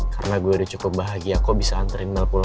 karena gue udah cukup bahagia kok bisa anterin mel pulang